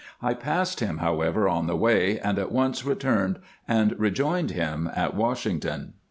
I passed him, however, on the way, and at once returned and rejoined him at Washington.